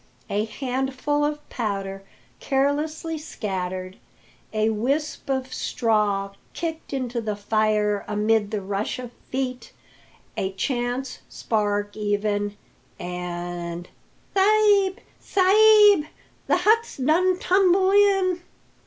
A handful of powder carelessly scattered, a wisp of straw kicked into the fire amid the rush of feet, a chance spark even, and "Sa'b, sa'b, the huts done tumble in!"